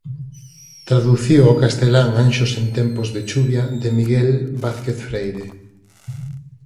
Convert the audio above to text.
Traduciu ao castelán "Anxos en tempos de chuvia" de Miguel Vázquez Freire.